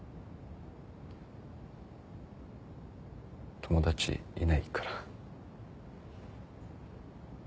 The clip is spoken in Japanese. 友達いないから。